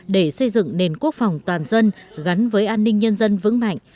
để xây dựng nền quốc phòng toàn dân gắn với an ninh nhân dân vững mạnh